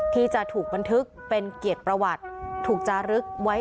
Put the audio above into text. ที่จะถูกบันทึกเป็นเกียรติประวัติ